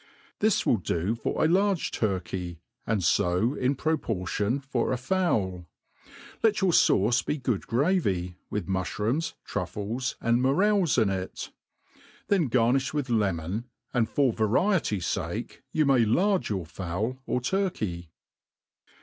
This will do for a large turkey, and fo in pro portion for a fowl. Let your fauce be good gravy, with mu{h« looms, truffles,, and mv)rel$ in it r then garniih with lemon, M f or variety fake you may lard your fowl or turkey.